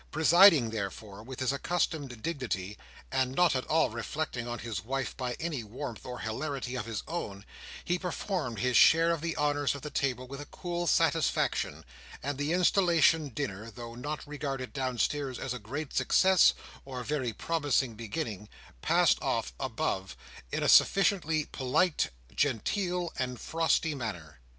Presiding, therefore, with his accustomed dignity, and not at all reflecting on his wife by any warmth or hilarity of his own, he performed his share of the honours of the table with a cool satisfaction; and the installation dinner, though not regarded downstairs as a great success, or very promising beginning, passed off, above, in a sufficiently polite, genteel, and frosty manner.